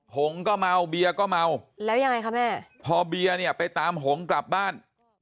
หงก็เมาเบียร์ก็เมาแล้วยังไงคะแม่พอเบียร์เนี่ยไปตามหงกลับบ้าน